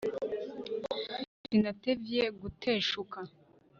Sinatevye guteshuka